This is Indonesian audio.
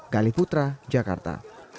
gali putra jakarta